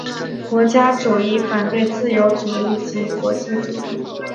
国家主义反对自由主义及国际主义。